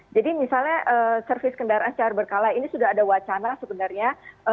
jadi misalnya servis kendaraan secara berkala ini sudah ada wacana sebenarnya